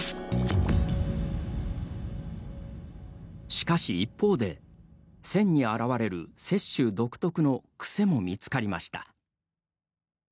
しかし一方で、線に現れる雪舟独特の癖も見つかりました。